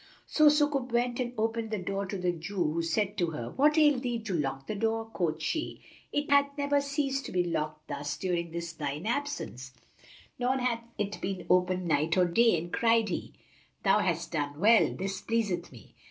So Sukub went and opened the door to the Jew, who said to her, "What ailed thee to lock the door?" Quoth she, "It hath never ceased to be locked thus during thine absence; nor hath it been opened night nor day;" and cried he, "Thou hast done well; this pleaseth me."